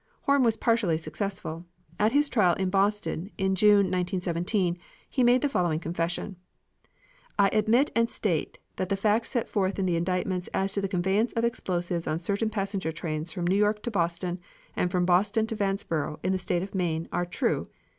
Horn was partially successful. At his trial in Boston in June, 1917, he made the following confession: "I admit and state that the facts set forth in the indictments as to the conveyance of explosives on certain passenger trains from New York to Boston and from Boston to Vanceboro, in the State of Maine, are true.